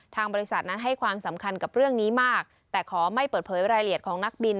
บริษัทนั้นให้ความสำคัญกับเรื่องนี้มากแต่ขอไม่เปิดเผยรายละเอียดของนักบิน